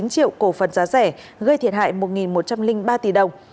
bốn triệu cổ phần giá rẻ gây thiệt hại một một trăm linh ba tỷ đồng